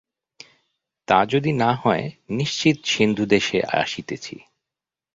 তা যদি না হয়, নিশ্চিত সিন্ধুদেশে আসিতেছি।